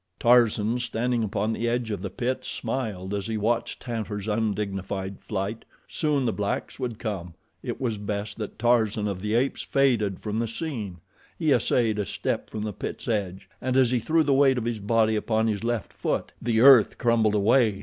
Tarzan, standing upon the edge of the pit, smiled as he watched Tantor's undignified flight. Soon the blacks would come. It was best that Tarzan of the Apes faded from the scene. He essayed a step from the pit's edge, and as he threw the weight of his body upon his left foot, the earth crumbled away.